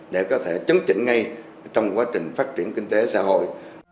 để có thể chấn chỉnh ngay trong quá trình phát triển kinh tế xã hội